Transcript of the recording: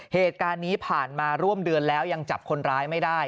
เหตุการณ์นี้ผ่านมาร่วมเดือนแล้วยังจับคนร้ายไม่ได้